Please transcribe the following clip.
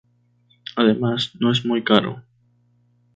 Además, no es muy caro.